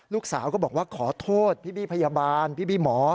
ลูกสาวก็บอกว่าขอโทษพี่บี้พยาบาลพี่บี้หมอ